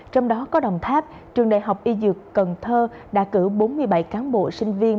trong đó có đồng tháp trường đại học y dược cần thơ đã cử bốn mươi bảy cán bộ sinh viên